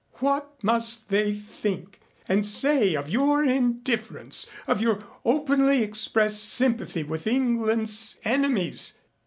What must they think and say of your indifference, of your openly expressed sympathy with England's enemies?